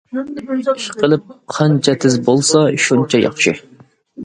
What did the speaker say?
ئىش قىلىپ قانچە تىز بولسا، شۇنچە ياخشى.